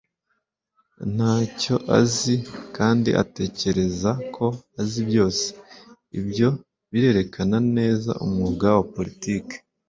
nta cyo azi; kandi atekereza ko azi byose. ibyo birerekana neza umwuga wa politiki